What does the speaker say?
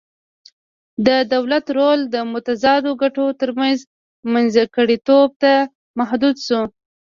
د دولت رول د متضادو ګټو ترمنځ منځګړیتوب ته محدود شو